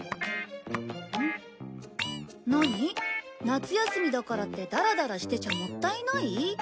夏休みだからってダラダラしてちゃもったいない？